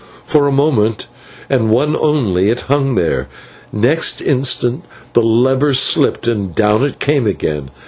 For a moment, and one only, it hung there; next instant the lever slipped, and down it came again.